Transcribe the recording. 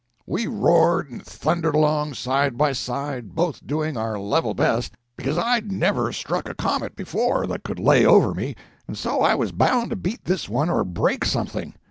We roared and thundered along side by side, both doing our level best, because I'd never struck a comet before that could lay over me, and so I was bound to beat this one or break something.